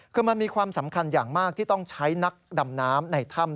คือมันมีความสำคัญอย่างมากที่ต้องใช้นักดำน้ำในถ้ำ